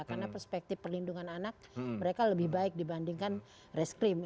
karena perspektif perlindungan anak mereka lebih baik dibandingkan reskrim